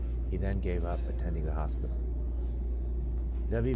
He then gave up attending the hospital.